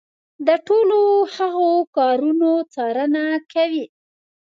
د ټولو هغو کارونو څارنه کوي.